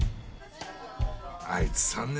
あいつ３年だろ？